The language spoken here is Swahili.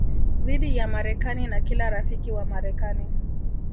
dhidi ya Marekani na kila rafiki wa Marekani